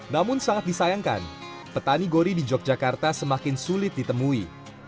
namun sangat disayangkan petani gori di yogyakarta semakin sulit ditemui